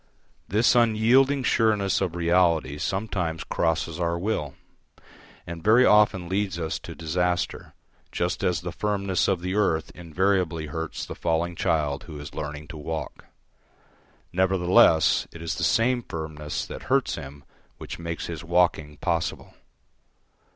This unyielding sureness of reality sometimes crosses our will, and very often leads us to disaster, just as the firmness of the earth invariably hurts the falling child who is learning to walk. Nevertheless it is the same firmness that hurts him which makes his walking possible.